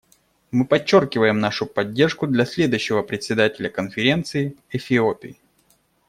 Мы подчеркиваем нашу поддержку для следующего Председателя Конференции — Эфиопии.